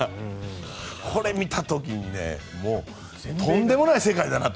これ見た時にもうとんでもない世界だなと。